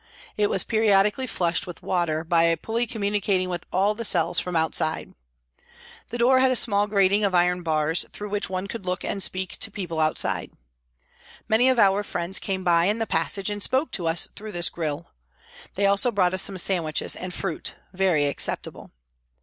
It was periodically flushed with water by a pulley communicating with all the cells from outside. The door had a small grating of iron bars, through 58 PRISONS AND PRISONERS which one could look and speak to people outside. Many of our friends came by in the passage and spoke to us through this grille. They also brought us some sandwiches and fruit very acceptable.